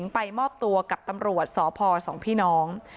ไปมอบตัวกับตำรวจสพสองพี่น้อง